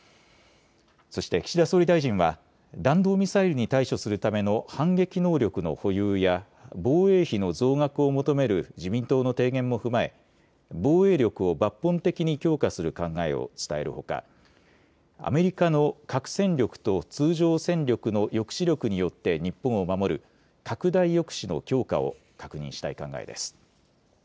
そして岸田総理大臣は弾道ミサイルに対処するための反撃能力の保有や防衛費の増額を求める自民党の提言も踏まえ防衛力を抜本的に強化する考えを伝えるほかアメリカの核戦力と通常戦力の抑止力によって日本を守る拡大抑止の強化を確認したい考えです。